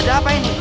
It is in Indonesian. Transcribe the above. ada apa ini